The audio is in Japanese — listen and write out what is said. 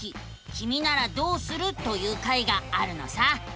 キミならどうする？」という回があるのさ。